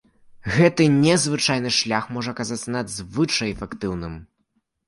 Гэты незвычайны шлях можа аказацца надзвычай эфектыўным.